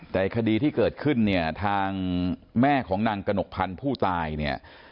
แต่คดีที่เกิดขึ้นเนี่ยทางแม่ของนางกระหนกพันธุ์ผู้ตายเนี่ย